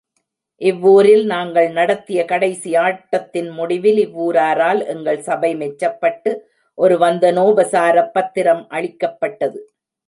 இவ்வூரில் நாங்கள் நடத்திய கடைசி ஆட்டத்தின் முடிவில் இவ்வூராரால் எங்கள் சபை மெச்சப்பட்டு ஒரு வந்தனோபசாரப் பத்திரம் அளிக்கப்பட்டது.